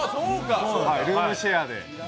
ルームシェアで。